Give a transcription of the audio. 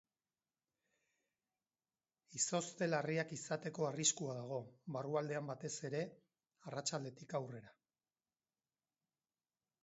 Izozte larriak izateko arriskua dago, barrualdean batez ere arratsaldetik aurrera.